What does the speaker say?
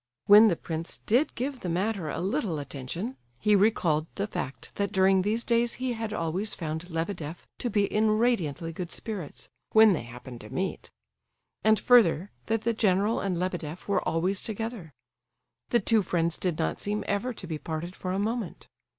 When the prince did give the matter a little attention, he recalled the fact that during these days he had always found Lebedeff to be in radiantly good spirits, when they happened to meet; and further, that the general and Lebedeff were always together. The two friends did not seem ever to be parted for a moment.